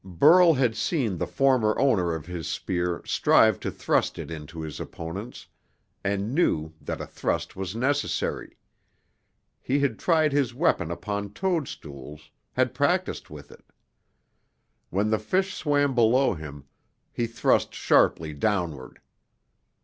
Burl had seen the former owner of his spear strive to thrust it into his opponents, and knew that a thrust was necessary. He had tried his weapon upon toadstools had practiced with it. When the fish swam below him, he thrust sharply downward.